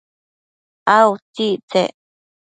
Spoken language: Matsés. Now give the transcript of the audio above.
a utsictsec?